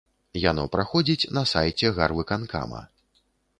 Яно праходзіць на сайце гарвыканкама.